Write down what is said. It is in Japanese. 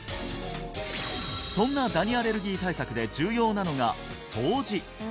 そんなダニアレルギー対策で重要なのが掃除！